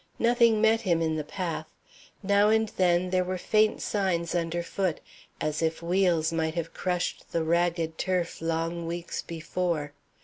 Nothing met him in the path. Now and then there were faint signs underfoot as if wheels might have crushed the ragged turf long weeks before.